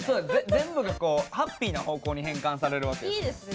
全部がハッピーな方向に反映されるんですね。